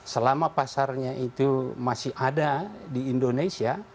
selama pasarnya itu masih ada di indonesia